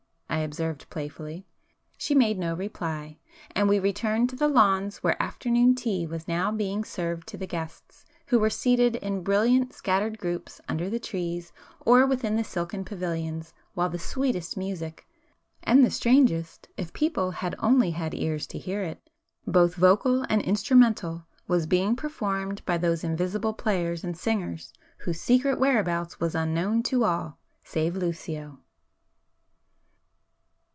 I observed playfully. She made no reply,—and we returned to the lawns where afternoon tea was now being served to the guests, who were seated in brilliant scattered groups under the trees or within [p 272] the silken pavilions, while the sweetest music,—and the strangest, if people had only had ears to hear it,—both vocal and instrumental, was being performed by those invisible players and singers whose secret whereabouts was unknown to all, save Lucio.